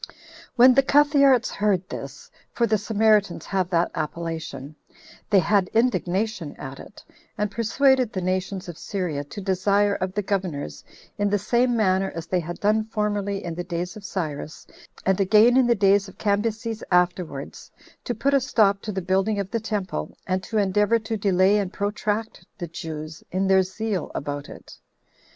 4. When the Cuthearts heard this, for the Samaritans have that appellation, they had indignation at it, and persuaded the nations of Syria to desire of the governors, in the same manner as they had done formerly in the days of Cyrus, and again in the days of Cambyses afterwards, to put a stop to the building of the temple, and to endeavor to delay and protract the Jews in their zeal about it.